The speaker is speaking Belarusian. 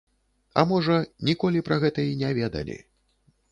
А можа, ніколі пра гэта і не ведалі.